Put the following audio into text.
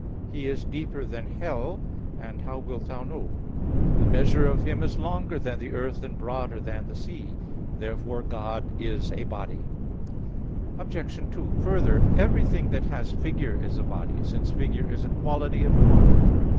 He is deeper than Hell, and how wilt thou know? The measure of Him is longer than the earth and broader than the sea" (Job 11:8, 9). Therefore God is a body. Obj. 2: Further, everything that has figure is a body, since figure is a quality of quantity.